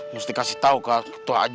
mesti kasih tau ke ketua aj